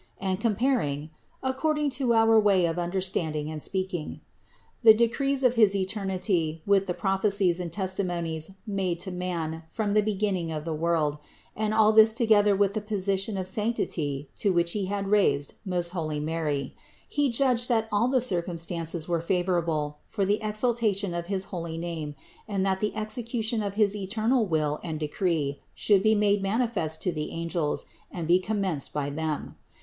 And comparing, (according to our way of understand ing and speaking), the decrees of his eternity with the prophecies and testimonies made to man from the be ginning of the world, and all this together with the po sition of sanctity to which He had raised most holy Mary, He judged that all the circumstances were favorable for the exaltation of his holy name, and that the execution of his eternal will and decree should be made manifest to the angels and be commenced by them.